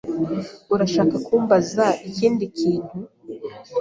Urashaka kumbaza ikindi kintu?